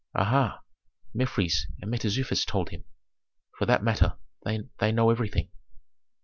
Aha! Mefres and Mentezufis told him. For that matter, they know everything."